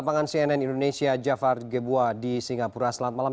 lapangan cnn indonesia jafar geboa di singapura selat malam